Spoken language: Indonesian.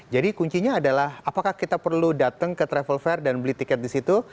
jadi kuncinya adalah apakah kita perlu datang ke travel fare dan beli tiket di situ